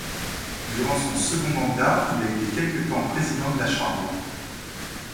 Durant son second mandat, il a été quelque temps président de la chambre.